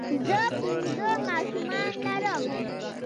زۀ پنځه ماشومان لرم